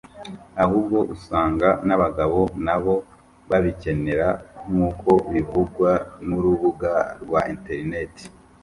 ahubwo usanga n’abagabo nabo babikenera nk’uko bivugwa n’urubuga rwa internet www